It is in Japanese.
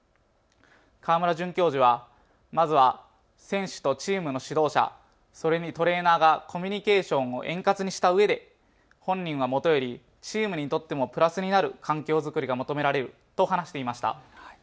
川村准教授はまずは選手とチームの指導者、それにトレーナーがコミュニケーションを円滑にしたうえで本人はもとよりチームにとってもプラスになる環境作りが求められると話していました。